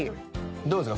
どうですか？